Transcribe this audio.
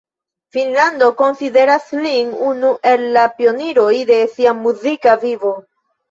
Finnlando konsideras lin unu el la pioniroj de sia muzika vivo.